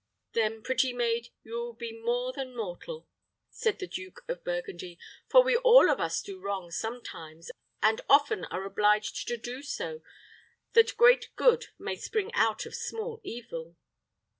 "Then, pretty maid, you will be more than mortal," said the Duke of Burgundy; "for we all of us do wrong sometimes, and often are obliged to do so that great good may spring out of small evil."